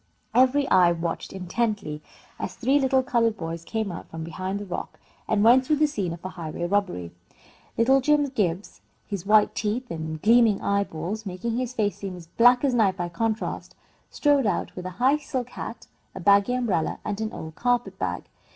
Every eye watched intently, as three little coloured boys came out from behind the rock and went through the scene of a highway robbery. Little Jim Gibbs, his white teeth and gleaming eyeballs making his face seem as black as night by contrast, strode out with a high silk hat, a baggy umbrella, and an old carpet bag.